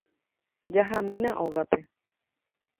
Jahámína ógape.